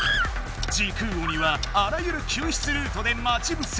時空鬼はあらゆる救出ルートで待ちぶせ。